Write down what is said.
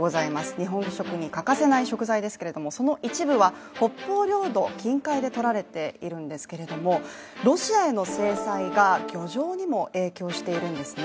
日本食に欠かせない食材ですが、その一部は北方領土近海で取られているんですけども、ロシアへの制裁が漁場にも影響しているんですね。